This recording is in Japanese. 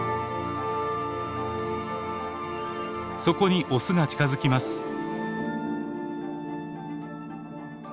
そこにオスが近づきます。